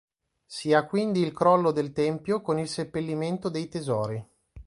Si ha quindi il crollo del tempio con il seppellimento dei tesori.